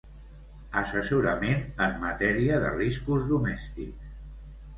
Assessorament en matèria de riscos domèstics.